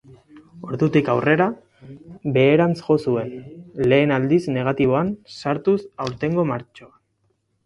Ordutik aurrera, beherantz jo zuen, lehen aldiz negatiboan sartuz aurtengo martxoan.